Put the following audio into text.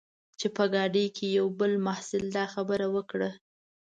چې په ګاډۍ کې یوه بل محصل دا خبره وکړه.